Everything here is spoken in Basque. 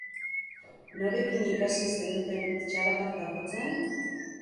Norekin ikasi zenuten txalaparta jotzen?